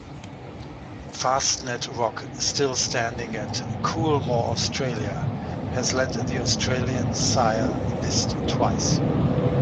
Fastnet Rock, still standing at Coolmore Australia, has led the Australian sire list twice.